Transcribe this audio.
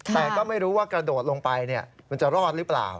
แต่ก็ไม่รู้ว่ากระโดดลงไปมันจะรอดหรือเปล่า